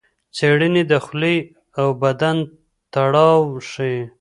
څېړنې د خولې او بدن تړاو ښيي.